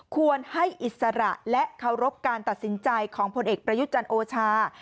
ควรให้อิสระและเคารพการตัดสินใจของผลเอกประยุทธ์จันทร์โอชา